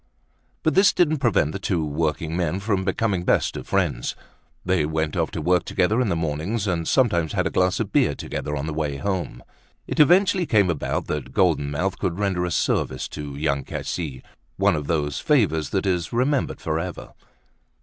But this didn't prevent the two workingmen from becoming best of friends. They went off to work together in the mornings and sometimes had a glass of beer together on the way home. It eventually came about that Golden Mouth could render a service to Young Cassis, one of those favors that is remembered forever.